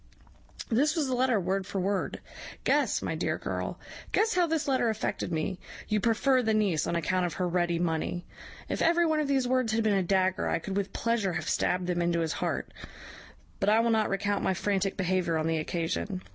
"This was the letter, word for word. Guess, my dear girl guess how this letter affected me. You prefer the niece on account of her ready money! If every one of these words had been a dagger, I could with pleasure have stabbed them into his heart; but I will not recount my frantic behaviour on the occasion.